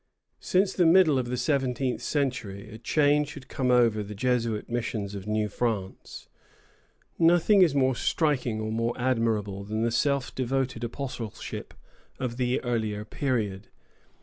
Since the middle of the seventeenth century a change had come over the Jesuit missions of New France. Nothing is more striking or more admirable than the self devoted apostleship of the earlier period.